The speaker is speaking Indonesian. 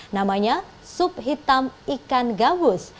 namanya sup hitam ikan gabus